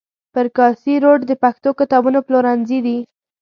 پر کاسي روډ د پښتو کتابونو پلورنځي دي.